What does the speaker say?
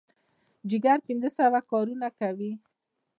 جګر پنځه سوه کارونه کوي.